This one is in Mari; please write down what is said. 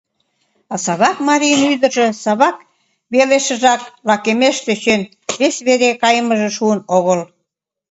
А Савак марийын ӱдыржӧ Савак велешыжак лакемаш тӧчен, вес вере кайымыже шуын огыл.